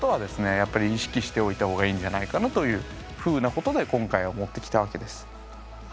やっぱり意識しておいたほうがいいんじゃないかなというふうなことで今回は持ってきたわけです。